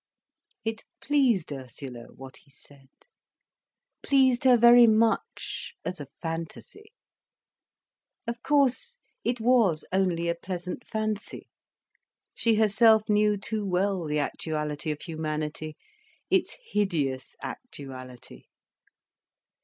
It pleased Ursula, what he said, pleased her very much, as a phantasy. Of course it was only a pleasant fancy. She herself knew too well the actuality of humanity, its hideous actuality.